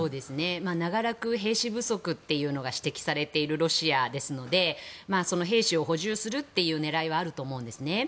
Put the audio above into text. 長らく兵士不足が指摘されているロシアですのでその兵士を補充するという狙いはあると思うんですね。